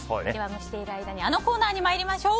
蒸している間にあのコーナーに参りましょう。